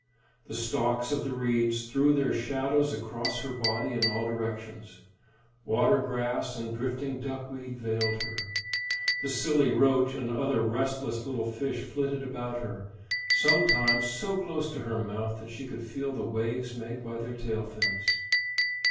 The stalks of the reeds threw their shadows across her body in all directions; water grass and drifting duck weed veiled her; the silly roach and other restless little fish flitted about her, sometimes so close to her mouth that she could feel the waves made by their tail fins.